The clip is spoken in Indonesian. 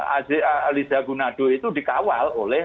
aliza gunado itu dikawal oleh